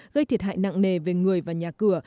gây thiệt hại nặng nề về người và nhà cửa